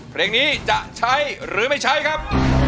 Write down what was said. เพลงนี้จะใช้หรือไม่ใช้ครับ